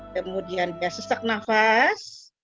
kemudian sesak nafas